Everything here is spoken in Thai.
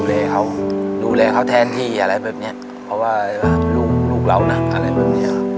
ให้ดูแลเท่าน้องพ่อ